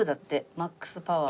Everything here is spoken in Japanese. マックスパワーで。